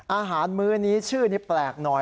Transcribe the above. มื้อนี้ชื่อนี้แปลกหน่อย